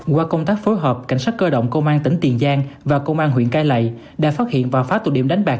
qua công tác phối hợp cảnh sát cơ động công an tỉnh tiền giang và công an huyện cai lậy đã phát hiện và phá tụ điểm đánh bạc